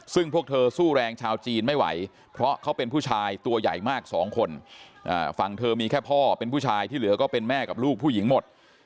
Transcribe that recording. ซึ่งพวกเธอสู้แรงชาวจีนไม่ไหวเพราะเขาเป็นผู้ชายตัวใหญ่มากสองคนฝั่งเธอมีแค่พ่อเป็นผู้ชายที่เหลือก็เป็นแม่กับลูกผู้หญิงหมด